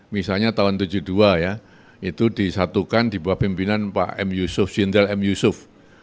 misalnya tahun seribu sembilan ratus tujuh puluh dua ya itu disatukan di bawah pimpinan pak m yusuf jenderal m yusuf